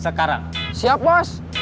nadir tuh liat gua